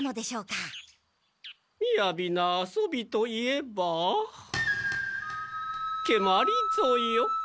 みやびな遊びといえばけまりぞよ。